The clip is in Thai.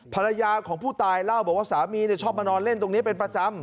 ภรรยาของผู้ตายเล่าบอกว่าสามีชอบมานอนเล่นตรงนี้เป็นประจำ